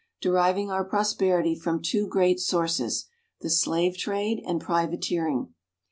deriving our prosperity from two great sources the slave trade and privateering.